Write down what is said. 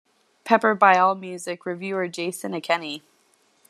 Pepper by Allmusic reviewer Jason Ankeny.